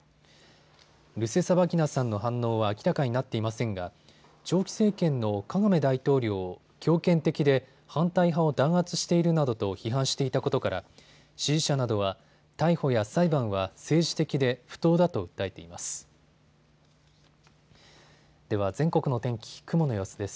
ルセサバギナさんの反応は明らかになっていませんが長期政権のカガメ大統領を強権的で反対派を弾圧しているなどと批判していたことから支持者などは逮捕や裁判は政治的で不当だと訴えています。